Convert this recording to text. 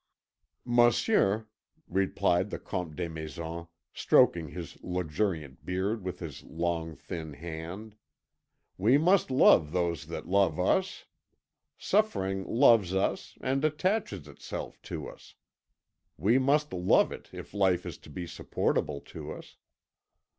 "Monsieur," replied the Comte Desmaisons, stroking his luxuriant beard with his long, thin hand, "we must love those that love us. Suffering loves us and attaches itself to us. We must love it if life is to be supportable to us.